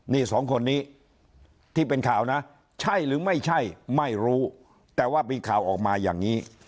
นี่สองคนนี้ที่เป็นข่าวนะใช่หรือไม่ใช่ไม่รู้แต่ว่ามีข่าวออกมาอย่างนี้